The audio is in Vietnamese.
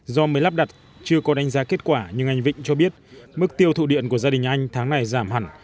do mới lắp đặt chưa có đánh giá kết quả nhưng anh vịnh cho biết mức tiêu thụ điện của gia đình anh tháng này giảm hẳn